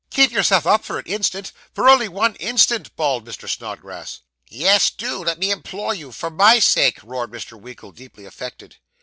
'Keep yourself up for an instant for only one instant!' bawled Mr. Snodgrass. 'Yes, do; let me implore you for my sake!' roared Mr. Winkle, deeply affected.